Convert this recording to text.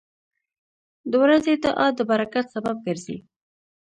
• د ورځې دعا د برکت سبب ګرځي.